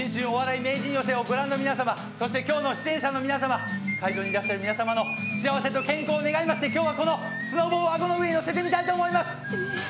お笑い名人寄席』をご覧の皆様そして今日の出演者の皆様会場にいらっしゃる皆様の幸せと健康を願いまして今日はこのスノボを顎の上に載せてみたいと思います。